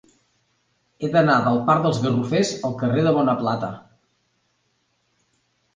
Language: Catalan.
He d'anar del parc dels Garrofers al carrer de Bonaplata.